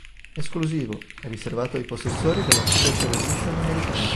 Esclusivo, riservato ai possessori della Special Edition Americana.